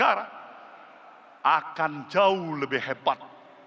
karena akan jauh lebih hebat